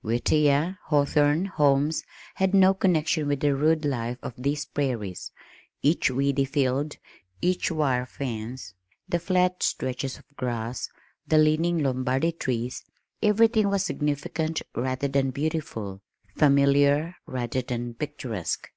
Whittier, Hawthorne, Holmes, had no connection with the rude life of these prairies. Each weedy field, each wire fence, the flat stretches of grass, the leaning Lombardy trees, everything was significant rather than beautiful, familiar rather than picturesque.